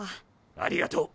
ありがとう。